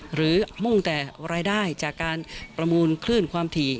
มุ่งแต่รายได้จากการประมูลคลื่นความถี่